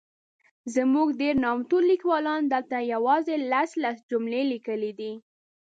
زموږ ډېر نامتو لیکوالانو دلته یوازي لس ،لس جملې لیکلي دي.